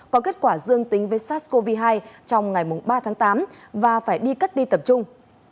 có kết quả dương tính với sars cov hai trong ngày ba tháng tám và phải đi cách ly tập trung